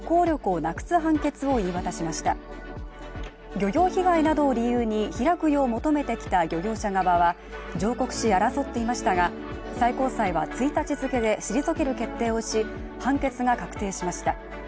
漁業被害などを理由に開くよう求めてきた漁業者側は上告し争っていましたが最高裁は１日付で退ける決定をし判決が確定しました。